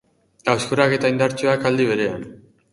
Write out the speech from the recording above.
Hauskorrak eta indartsuak aldi berean.